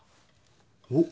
おっ！